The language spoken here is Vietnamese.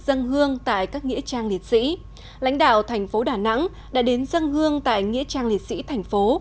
dân hương tại các nghĩa trang liệt sĩ lãnh đạo thành phố đà nẵng đã đến dân hương tại nghĩa trang liệt sĩ thành phố